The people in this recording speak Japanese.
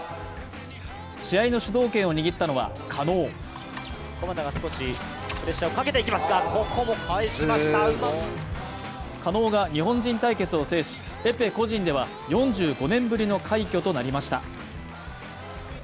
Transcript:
試合の主導権を握ったのは加納加納が日本人対決を制しエペ個人では４５年ぶりの快挙となりました